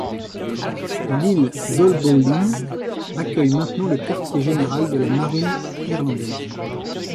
L'île d'Haulbowline accueille maintenant le quartier général de la marine irlandaise.